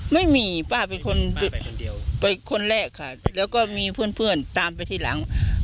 ไม่มีป้าเป็นคนไปคนเดียวไปคนแรกค่ะแล้วก็มีเพื่อนเพื่อนตามไปทีหลัง